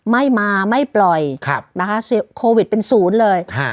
ไม่มาไม่ปล่อยโควิดเป็นศูนย์เลย